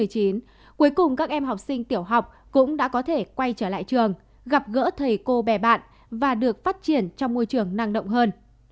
cuối cùng các em học sinh tiểu học cũng đã có thể quay trở lại trường gặp gỡ thầy cô bè bạn và được phát triển trong môi trường năng động hơn